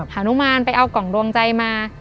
หานุมานไปเอากล่องดวงใจมา